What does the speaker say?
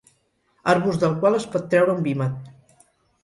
Arbust del qual es pot treure un vímet.